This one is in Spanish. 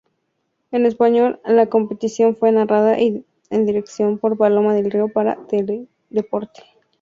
En España la competición fue narrada en directo por Paloma del Río para Teledeporte.